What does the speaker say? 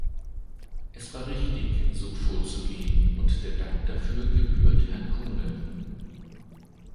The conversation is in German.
Es war richtig, so vorzugehen, und der Dank dafür gebührt Herrn Kuhne.